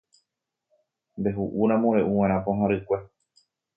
Ndehu'úramo re'uva'erã pohã rykue.